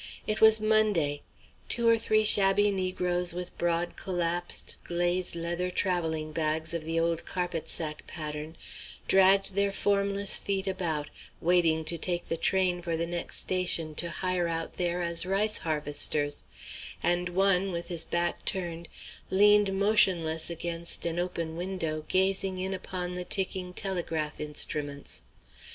It was Monday. Two or three shabby negroes with broad, collapsed, glazed leather travelling bags of the old carpet sack pattern dragged their formless feet about, waiting to take the train for the next station to hire out there as rice harvesters, and one, with his back turned, leaned motionless against an open window gazing in upon the ticking telegraph instruments.